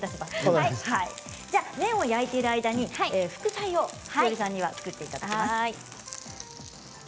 麺を焼いている間に副菜をＳＨＩＯＲＩさんには作っていただきます。